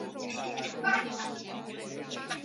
当时任弼时被指定为苏区中央局成员之一。